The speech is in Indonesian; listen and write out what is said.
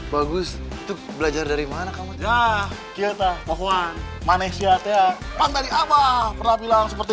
bagus belajar dari mana kamu jah kita pohon manis ya tak tadi aba pernah bilang seperti